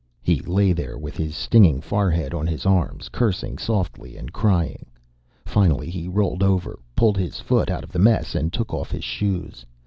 He lay there with his stinging forehead on his arms, cursing softly and crying. Finally he rolled over, pulled his foot out of the mess, and took off his shoes.